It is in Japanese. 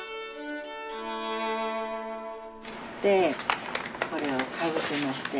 でこれをかぶせまして。